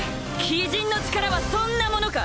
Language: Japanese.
鬼人の力はそんなものか。